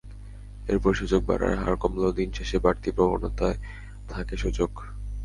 এরপর সূচক বাড়ার হার কমলেও দিন শেষে বাড়তি প্রবণতায় থাকে সূচক।